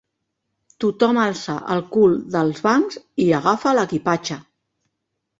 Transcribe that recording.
Tothom alça el cul dels bancs i agafa l'equipatge.